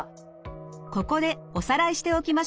ここでおさらいしておきましょう。